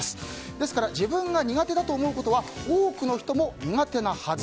ですから自分が苦手だと思うことは多くの人も苦手なはず。